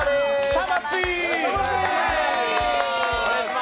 魂！